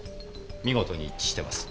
見事に一致してます。